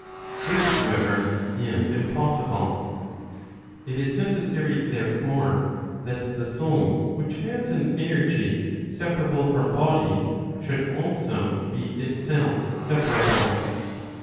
This however is impossible. It is necessary, therefore, that the soul which has an energy separable from body, should also be itself separable.